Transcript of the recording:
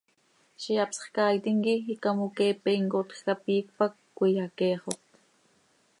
Ziix hapsx caaitim quih icamoqueepe imcotj cap iicp hac cöiyaqueexot.